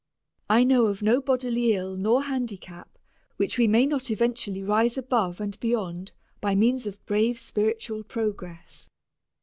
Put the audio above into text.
I know of no bodily ill nor handicap which we may not eventually rise above and beyond by means of brave spiritual progress.